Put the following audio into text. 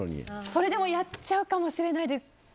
それ、でもやっちゃうかもしれないです。